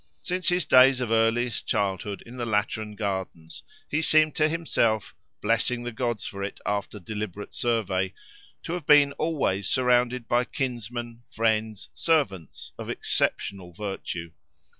Since his days of earliest childhood in the Lateran gardens, he seemed to himself, blessing the gods for it after deliberate survey, to have been always surrounded by kinsmen, friends, servants, of exceptional virtue.